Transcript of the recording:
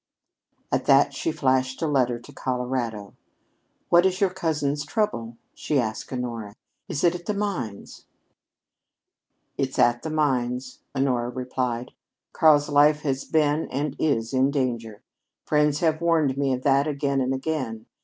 At that she flashed a letter to Colorado. "What is your cousin's trouble?" she asked Honora. "Is it at the mines?" "It's at the mines," Honora replied. "Karl's life has been and is in danger. Friends have warned me of that again and again.